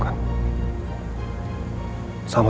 karena apa yang elsa lakukan